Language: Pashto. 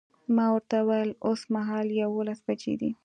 ما ورته وویل اوسمهال یوولس بجې دي.